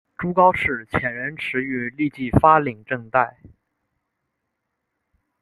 朱高炽遣人驰谕立即发廪赈贷。